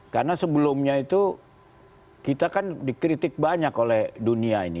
karena sebelumnya itu kita kan dikritik banyak oleh dunia ini